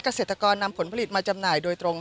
เกษตรกรนำผลผลิตมาจำหน่ายโดยตรง